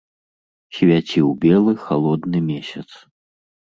Свяціў белы, халодны месяц.